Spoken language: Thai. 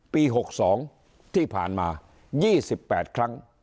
ปี๖๒ที่ผ่านมา๒๘ครั้ง